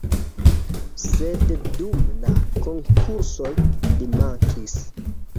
Sed dum la konkursoj li mankis.